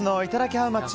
ハウマッチ